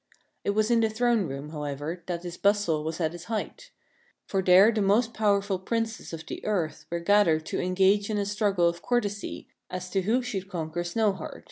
It was in the throne room, however, that this bustle was at its height; for there the most powerful Princes of the earth were gathered to engage in a struggle of courtesy as to who should conquer Snowheart.